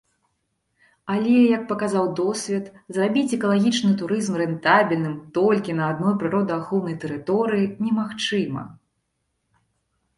Але, як паказаў досвед, зрабіць экалагічны турызм рэнтабельным толькі на адной прыродаахоўнай тэрыторыі немагчыма.